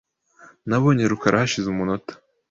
Nabonye rukara hashize umunota .